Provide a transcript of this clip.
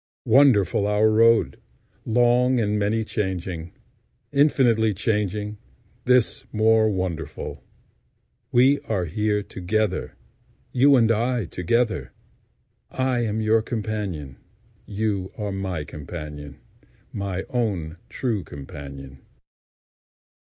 Wonderful our road, Long and many changing, Infinitely changing. This, more wonderful—We are here together, You and I together,I am your companion; You are my companion, My own, true companion.